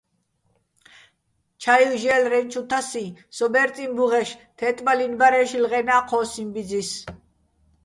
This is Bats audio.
ჩაივ ჟე́ლრეჼ ჩუ თასიჼ, სო ბერწიჼ ბუღეშ, თე́ტბალინო̆ ბარ-ე შილღენა́ ჴოსიჼ ბიძის.